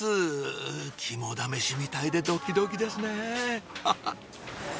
肝試しみたいでドキドキですねハハっ！